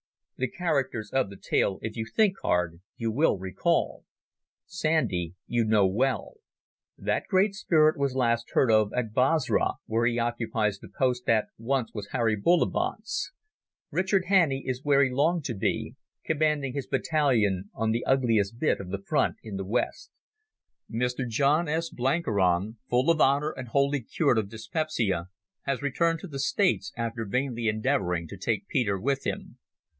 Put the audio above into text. The characters of the tale, if you think hard, you will recall. Sandy you know well. That great spirit was last heard of at Basra, where he occupies the post that once was Harry Bullivant's. Richard Hannay is where he longed to be, commanding his battalion on the ugliest bit of front in the West. Mr John S. Blenkiron, full of honour and wholly cured of dyspepsia, has returned to the States, after vainly endeavouring to take Peter with him.